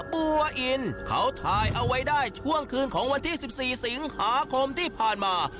บัวอินเขาถ่ายเอาไว้ได้ช่วงคืนของวันที่๑๔สิงหาคมที่ผ่านมา